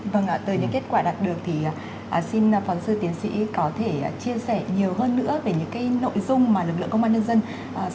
vâng từ những kết quả đạt được thì xin phán sư tiến sĩ có thể chia sẻ nhiều hơn nữa về những cái nội dung mà lực lượng công an nhân dân sẽ thực hiện trong thời gian tới